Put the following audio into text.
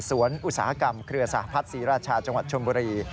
อุตสาหกรรมเครือสหพัฒน์ศรีราชาจังหวัดชนบุรี